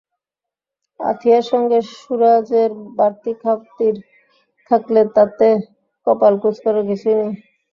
আথিয়ার সঙ্গে সুরাজের বাড়তি খাতির থাকলে তাতে কপাল কুঁচকানোর কিছুই নেই।